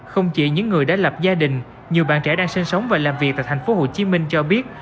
không chỉ những người đã lập gia đình nhiều bạn trẻ đang sinh sống và làm việc tại tp hcm cho biết